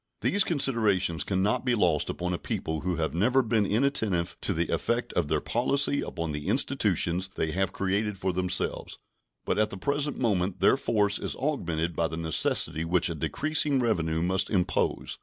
These considerations can not be lost upon a people who have never been inattentive to the effect of their policy upon the institutions they have created for themselves, but at the present moment their force is augmented by the necessity which a decreasing revenue must impose.